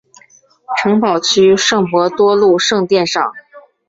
城堡区圣伯多禄圣殿上。